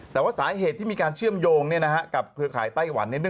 แต่ว่าสาเหตุที่มีการเชื่อมโยงกับเครือข่ายไต้หวัน